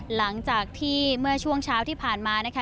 หลังจากที่เมื่อช่วงเช้าที่ผ่านมานะคะ